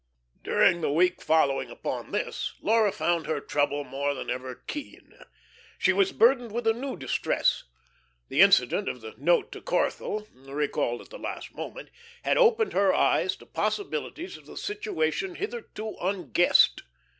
During the week following upon this, Laura found her trouble more than ever keen. She was burdened with a new distress. The incident of the note to Corthell, recalled at the last moment, had opened her eyes to possibilities of the situation hitherto unguessed.